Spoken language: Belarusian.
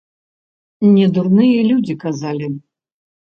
Не дурныя людзі казалі.